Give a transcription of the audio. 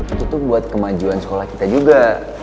itu tuh buat kemajuan sekolah kita juga